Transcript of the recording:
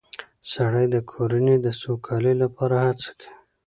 سړی د کورنۍ د سوکالۍ لپاره هڅه کوي